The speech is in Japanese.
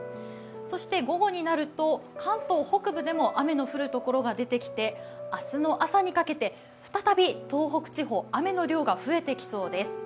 そして午後になると関東北部でも雨の降る所が出てきて、明日の朝にかけて再び東北地方、雨の量が増えてきそうです。